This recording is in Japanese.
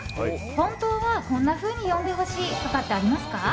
本当は、こんなふうに呼んでほしいとかってありますか？